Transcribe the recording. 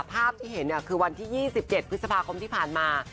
ภาพที่เห็นคือวันที่๒๗พฤษภาคมที่ผ่านมา